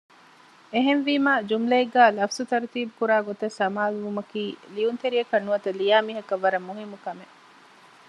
އެހެންވީމާ ޖުމުލައެއްގައި ލަފުޒު ތަރުތީބު ކުރާ ގޮތަށް ސަމާލުވުމަކީ ލިޔުންތެރިއަކަށް ނުވަތަ ލިޔާ މީހަކަށް ވަރަށް މުހިއްމު ކަމެއް